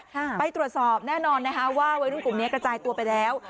ไปตรวจสอบแน่นอนนะคะว่าวัยรุ่นกลุ่มเนี้ยกระจายตัวไปแล้ว